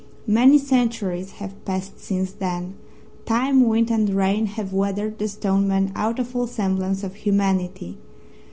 Many centuries have passed since then. Time, wind and rain have weathered the stone men out of all semblance of humanity.